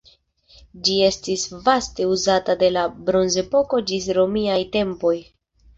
Ĝi estis vaste uzata de la bronzepoko ĝis romiaj tempoj.